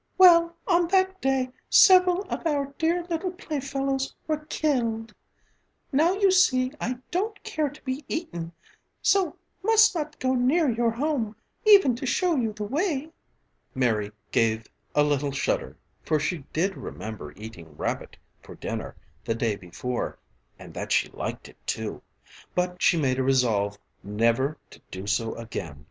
Well, on that day several of our dear little playfellows were killed. Now you see I don't care to be eaten, so must not go near your home, even to show you the way." Mary gave a little shudder, for she did remember eating rabbit for dinner the day before and that she liked it, too; but she made a resolve never to do so again.